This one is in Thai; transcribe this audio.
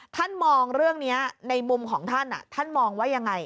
ท่านมองเรื่องนี้ในมุมของท่านท่านมองว่ายังไง